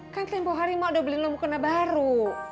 kan tempoh hari emak udah beliin lo mukena baru